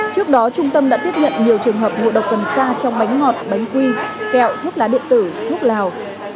trước đó trung tâm đã tiếp nhận nhiều trường hợp ngộ độc cần sa trong bánh ngọt bánh quy kẹo thuốc lá điện tử thuốc lào